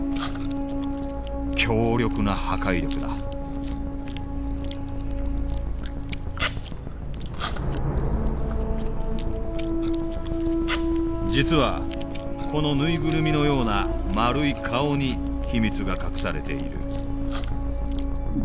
強力な破壊力だ実はこの縫いぐるみのような丸い顔に秘密が隠されている。